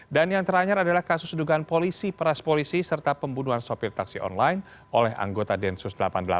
yang terakhir adalah kasus dugaan polisi peras polisi serta pembunuhan sopir taksi online oleh anggota densus delapan puluh delapan